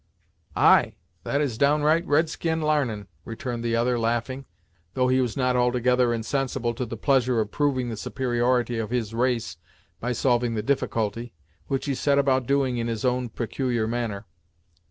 "Ay, that is downright red skin l'arnin'" returned the other, laughing, though he was not altogether insensible to the pleasure of proving the superiority of his race by solving the difficulty, which he set about doing in his own peculiar manner.